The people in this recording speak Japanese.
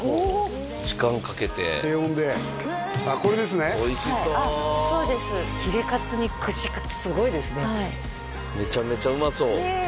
時間かけて低温でこれですねおいしそうそうですヒレかつに串かつすごいですねめちゃめちゃうまそうねえ